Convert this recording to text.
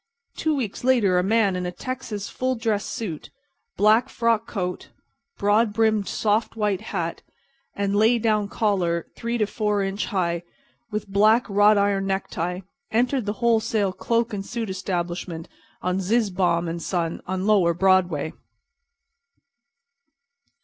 Two weeks later a man in a Texas full dress suit—black frock coat, broad brimmed soft white hat, and lay down collar 3 4 inch high, with black, wrought iron necktie—entered the wholesale cloak and suit establishment of Zizzbaum & Son, on lower Broadway.